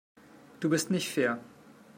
Du bist nicht fair.